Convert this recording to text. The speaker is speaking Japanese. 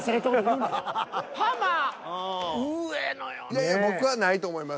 いやいや僕はないと思います。